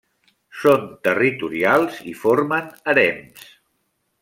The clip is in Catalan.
Són territorials i formen harems.